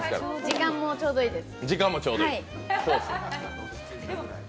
時間もちょうどいいです。